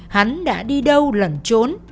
hắn đã đi đâu lẩn trốn